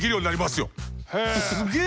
すげえな！